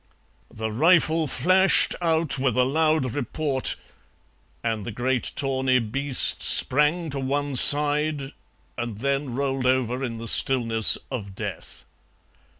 The rifle flashed out with a loud report, and the great tawny beast sprang to one side and then rolled over in the stillness of death.